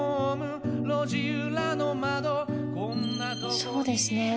そうですね。